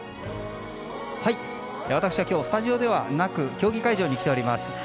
私は今日、スタジオではなく競技会場に来ています。